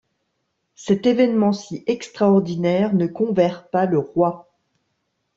Cet événement si extraordinaire ne convert pas le roi.